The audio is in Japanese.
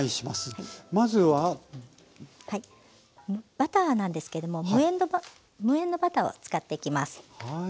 バターなんですけども無塩のバターを使っていきます。